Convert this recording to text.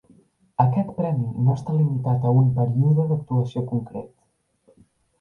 Aquest Premi no està limitat a un període d'actuació concret.